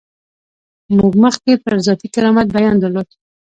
موږ مخکې پر ذاتي کرامت بیان درلود.